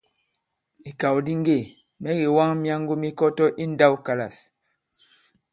Ìkàw di ŋgê mɛ̌ kèwaŋ myaŋgo mi Kɔtɔ i ǹndãwkalâs.